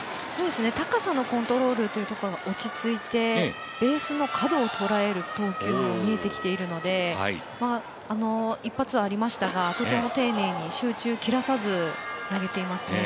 高さのコントロールというところが落ち着いてベースの角を捉える投球も見えてきているので、一発はありましたがとても丁寧に集中を切らさず投げていますね。